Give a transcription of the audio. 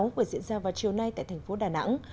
vừa diễn ra vào chiều nay tại thành phố đà nẵng